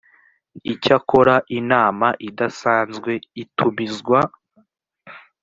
icyakora inama idasanzwe itumizwa